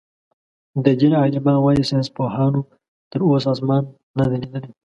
د دين عالمان وايي ساينسپوهانو تر اوسه آسمان نۀ دئ ليدلی.